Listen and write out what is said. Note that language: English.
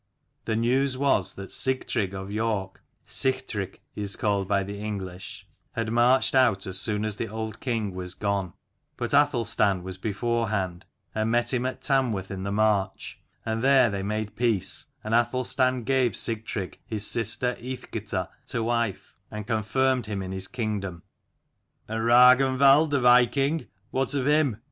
The news was that Sigtrygg of York Sihtric he is called by the English had marched out as soon as the old king was gone : but Athelstan was before hand, and met him at Tamworth in the March, and there they made peace, and Athelstan gave Sigtrygg his sister Eathgita to wife, and confirmed him in his kingdom. "And Ragnwald the viking, what of him?"